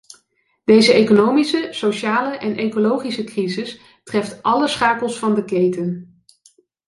Deze economische, sociale en ecologische crisis treft alle schakels van de keten.